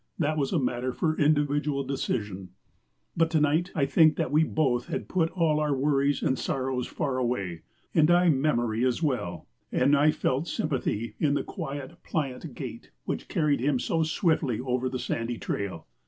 That was a matter for individual decision. But to night I think that we both had put all our worries and sorrows far away, and I memory as well; and I felt sympathy in the quiet, pliant gait which carried him so swiftly over the sandy trail.